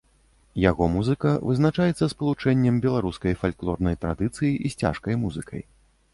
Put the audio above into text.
Яго музыка вызначаецца спалучэннем беларускай фальклорнай традыцыі з цяжкай музыкай.